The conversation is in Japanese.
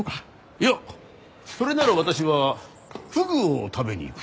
いやそれなら私はフグを食べに行く。